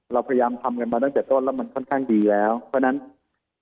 เราพยายามทำกันมาตั้งแต่ต้นแล้วมันค่อนข้างดีแล้วเพราะฉะนั้น